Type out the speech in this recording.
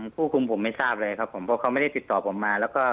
ผู้คุมผมไม่ทราบเลยครับผมเพราะเขาไม่ได้ติดต่อผมมาแล้วก็